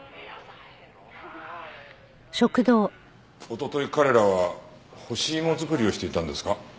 おととい彼らは干し芋作りをしていたんですか？